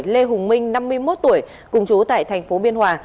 lê hùng minh năm mươi một tuổi cùng chú tại thành phố biên hòa